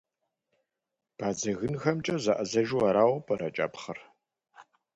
Бадзэгынхэмкӏэ зэӏэзэжу арауэ пӏэрэ кӏэпхъыр?